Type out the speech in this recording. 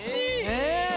ねえ！